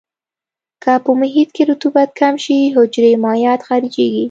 که په محیط کې رطوبت کم شي حجرې مایعات خارجيږي.